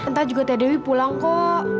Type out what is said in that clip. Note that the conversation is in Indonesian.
entah juga teh dewi pulang kok